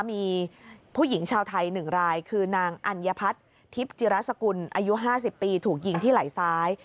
มีผู้หญิงชาวไทย๑รายคือนางอัญพัฒน์ทิพย์จิรสกุลอายุ๕๐ปีถูกยิงที่ไหล่ซ้าย